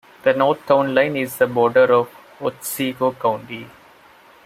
The north town line is the border of Otsego County.